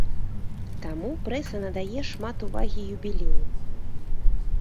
Таму прэса надае шмат увагі юбілею.